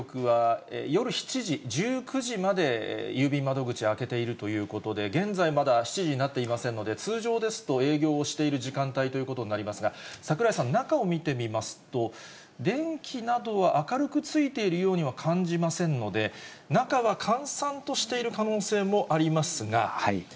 この郵便局は夜７時、１９時まで郵便窓口開けているということで、現在、まだ７時になっていませんので、通常ですと、営業をしている時間帯ということになりますが、櫻井さん、中を見てみますと、電気などは明るくついているようには感じませんので、中は閑散としている可能性もありますが。